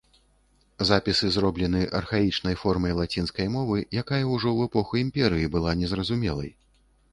Запісы зроблены архаічнай формай лацінскай мовы, якая ўжо ў эпоху імперыі была незразумелай.